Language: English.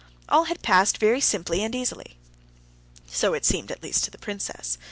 All had passed very simply and easily. So it seemed, at least, to the princess.